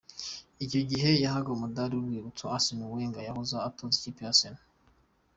Icyo gihe yahaga umudari w'urwibutso Arsène Wenger wahoze atoza ikipe ya Arsenal.